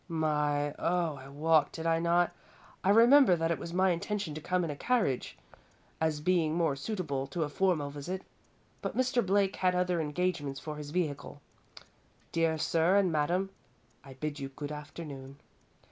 My oh, I walked, did I not? I remember that it was my intention to come in a carriage, as being more suitable to a formal visit, but Mr. Blake had other engagements for his vehicle. Dear sir and madam, I bid you good afternoon."